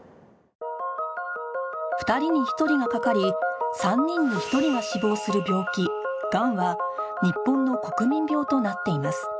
２人に１人がかかり３人に１人が死亡する病気がんは日本の国民病となっています